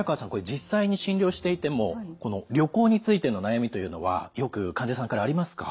実際に診療していても旅行についての悩みというのはよく患者さんからありますか？